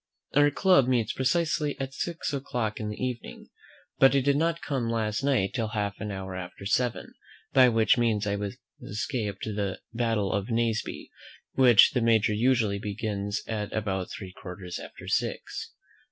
Our club meets precisely at six o'clock in the evening; but I did not come last night till half an hour after seven, by which means I escaped the battle of Naseby, which the Major usually begins at about three quarters after six.